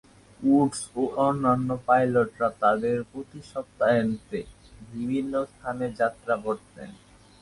Woods এবং অন্যান্য পাইলটরা তাদের সাথে প্রতি সপ্তাহান্তে বিভিন্ন স্থানে যাত্রা করতেন।